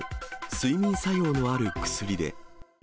睡眠作用のある薬で。